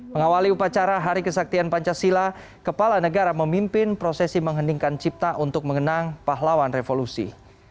mengawali upacara hari kesaktian pancasila kepala negara memimpin prosesi mengheningkan cipta untuk mengenang pahlawan revolusi